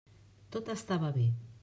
Tot estava bé.